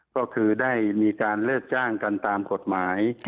ก็คือได้มีการเลิกจ้างกันตามกฎหมาย